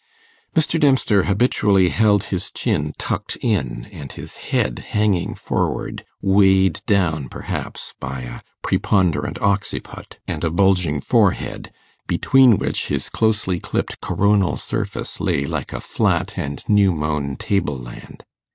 Mr. Dempster habitually held his chin tucked in, and his head hanging forward, weighed down, perhaps, by a preponderant occiput and a bulging forehead, between which his closely clipped coronal surface lay like a flat and new mown table land.